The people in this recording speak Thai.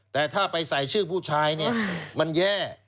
แต่ถ้าไปใส่ชื่อผู้ชายเนี่ยมันแย่